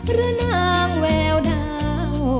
หรือนางแววดาว